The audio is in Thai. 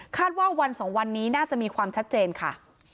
ว่าวันสองวันนี้น่าจะมีความชัดเจนค่ะ